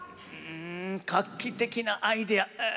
うん画期的なアイデア。